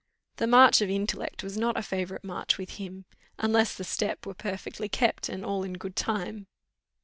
The march of intellect was not a favourite march with him, unless the step were perfectly kept, and all in good time.